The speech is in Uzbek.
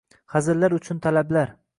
Hazillar uchun talablar